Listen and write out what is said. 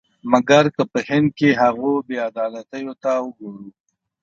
مګر که په هند کې هغو بې عدالتیو ته وګورو.